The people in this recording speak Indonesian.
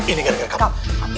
ini gara gara kamu